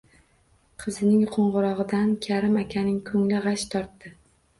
Qizining qo`ng`irog`idan Karim akaning ko`ngli g`ash tortdi